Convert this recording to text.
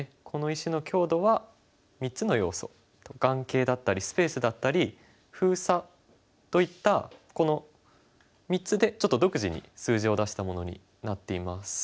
この石の強度は３つの要素眼形だったりスペースだったり封鎖といったこの３つでちょっと独自に数字を出したものになっています。